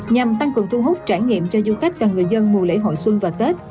nhằm tăng cường thu hút trải nghiệm cho du khách và người dân mùa lễ hội xuân và tết